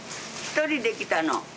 一人で来たの？